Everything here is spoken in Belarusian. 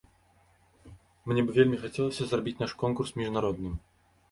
Мне бы вельмі хацелася зрабіць наш конкурс міжнародным.